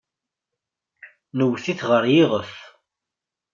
Nwet-it ɣer yiɣef.